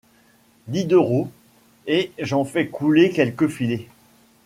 Diderot ; et j’en fais couler quelques filets